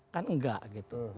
kan enggak gitu